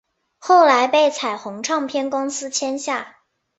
后来被彩虹唱片公司签下。